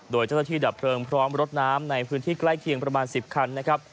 โดยเจ้าหน้าที่ดับเพลิงพร้อมรถน้ำในพื้นที่ใกล้เคียงประมาณ๑๐คันนะครับ